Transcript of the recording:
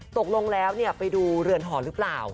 ตกลงแล้วไปดูเรือนหอหรือเปล่า